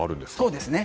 そうですね。